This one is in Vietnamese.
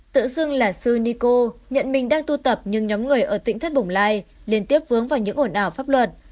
tự xưng là sư niko nhận mình đang tu tập nhưng nhóm người ở tỉnh thất bồng lai liên tiếp vướng vào những ổn ảo pháp luật